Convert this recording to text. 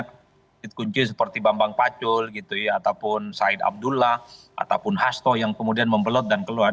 kunci seperti bambang pacul ataupun said abdullah ataupun hasto yang kemudian membelot dan keluar